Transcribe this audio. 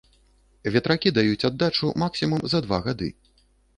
Ветракі даюць аддачу максімум за два гады.